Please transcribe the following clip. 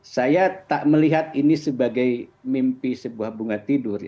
saya tak melihat ini sebagai mimpi sebuah bunga tidur